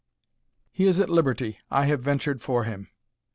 He is at liberty, I have ventured for him!